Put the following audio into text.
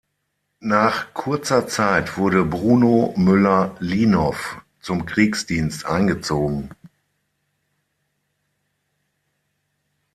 Nach kurzer Zeit wurde Bruno Müller-Linow zum Kriegsdienst eingezogen.